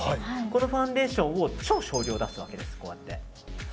このファンデーションを超少量出すわけです。